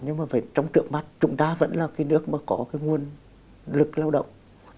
nhưng mà phải trong trượng mắt chúng ta vẫn là cái nước có nguồn lực lao động